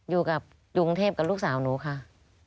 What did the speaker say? อยู่กับกรุงเทพกับลูกสาวหนูค่ะ